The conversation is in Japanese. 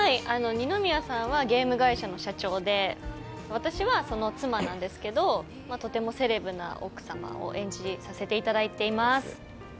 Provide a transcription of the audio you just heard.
二宮さんはゲーム会社の社長で私は、その妻なんですけれどもとてもセレブな奥様を演じさせていただいています。